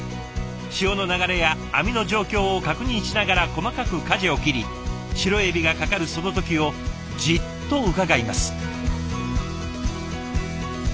潮の流れや網の状況を確認しながら細かくかじを切りシロエビがかかるその時をじっとうかがいます。